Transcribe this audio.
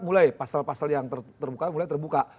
mulai pasal pasal yang terbuka mulai terbuka